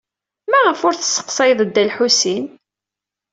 Maɣef ur tesseqsayeḍ Dda Lḥusin?